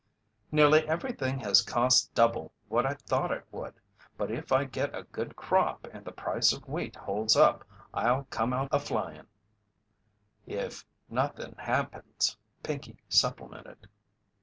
"Nearly everything has cost double what I thought it would, but if I get a good crop and the price of wheat holds up I'll come out a flying." "If nothin' happens," Pinkey supplemented.